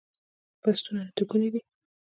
بستونه اته ګوني دي